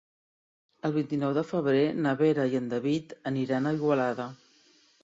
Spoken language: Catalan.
El vint-i-nou de febrer na Vera i en David aniran a Igualada.